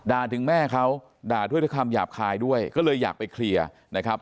ถึงแม่เขาด่าด้วยคำหยาบคายด้วยก็เลยอยากไปเคลียร์นะครับ